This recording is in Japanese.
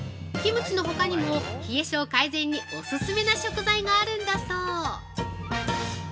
キムチのほかにも、冷え性改善にオススメな食材があるんだそう！